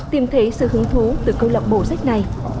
tìm thấy sự hứng thú từ các lập bộ sách này